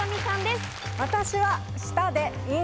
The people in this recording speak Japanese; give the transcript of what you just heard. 私は。